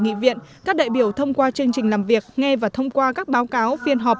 nghị viện các đại biểu thông qua chương trình làm việc nghe và thông qua các báo cáo phiên họp